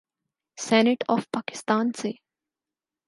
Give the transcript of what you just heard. Senate of Pakistan سے۔